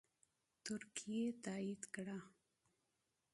ترکیې تایید کړه